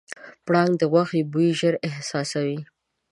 پړانګ د غوښې بوی ژر احساسوي.